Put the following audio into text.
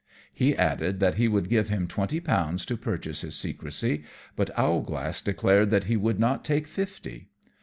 He added that he would give him twenty pounds to purchase his secrecy, but Owlglass declared that he would not take fifty.